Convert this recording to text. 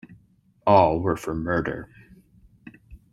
All were for murder.